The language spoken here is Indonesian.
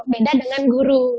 beda dengan guru